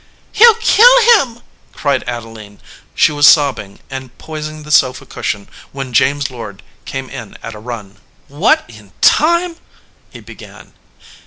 "He ll kill him!" cried Adeline. She was sob bing and poising the sofa cushion when James Lord came in at a run. "What in time " he began.